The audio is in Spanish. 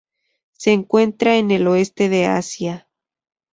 Se encuentra en el oeste de Asia.